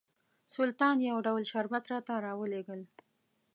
سلطان یو ډول شربت راته راولېږل.